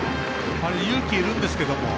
あれ勇気いるんですけど。